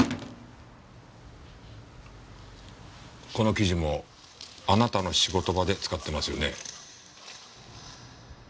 この生地もあなたの仕事場で使ってますよね？